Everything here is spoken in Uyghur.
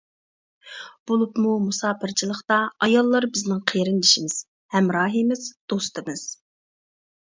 بولۇپمۇ مۇساپىرچىلىقتا ئاياللار بىزنىڭ قېرىندىشىمىز، ھەمراھىمىز، دوستىمىز.